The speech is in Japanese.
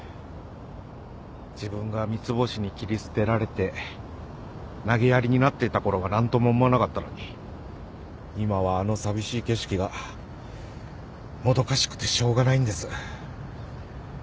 自分が三ツ星に切り捨てられて投げやりになっていたころは何とも思わなかったのに今はあの寂しい景色がもどかしくてしょうがないんです